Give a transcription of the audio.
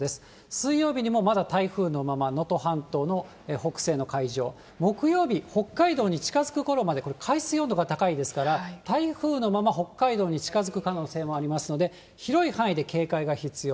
水曜日にもまだ台風のまま、能登半島の北西の海上、木曜日、北海道に近づくころまで海水温度が高いですから、台風のまま、北海道に近づく可能性がありますので、広い範囲で警戒が必要。